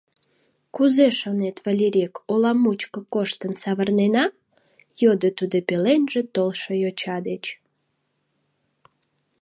Кузе шонет, Валерик, ола мучко коштын савырнена? — йодо тудо пеленже толшо йоча деч.